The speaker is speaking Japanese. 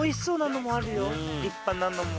立派なのも。